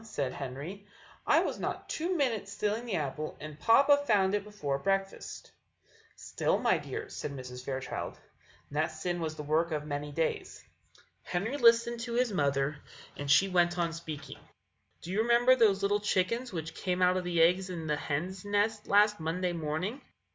said Henry; "I was not two minutes stealing the apple, and papa found it out before breakfast." "Still, my dear," said Mrs. Fairchild, "that sin was the work of many days." Henry listened to his mother, and she went on speaking: "Do you remember those little chickens which came out of the eggs in the hen's nest last Monday morning?"